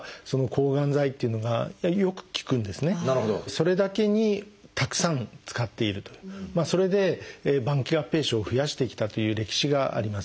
それだけにたくさん使っているというそれで晩期合併症を増やしてきたという歴史があります。